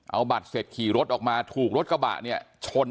เอาบัตรเสร็จขี่รถออกมาถูกรถกระบะเนี่ยชน